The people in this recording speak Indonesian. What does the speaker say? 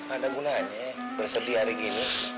ada gunanya bersedih hari gini